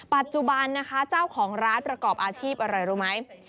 ปัจจุบันนะคะเจ้าของร้านประกอบอาชีพอะไรรู้ไหม